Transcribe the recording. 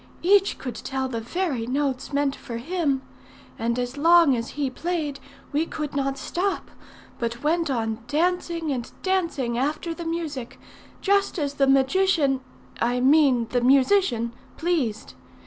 Each could tell the very notes meant for him; and as long as he played, we could not stop, but went on dancing and dancing after the music, just as the magician I mean the musician pleased.